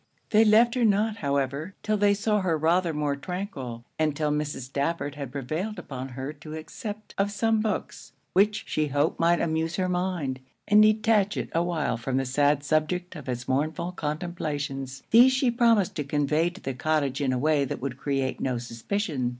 They left her not, however, till they saw her rather more tranquil; and till Mrs. Stafford had prevailed upon her to accept of some books, which she hoped might amuse her mind, and detach it awhile from the sad subject of it's mournful contemplations. These she promised to convey to the cottage in a way that could create no suspicion.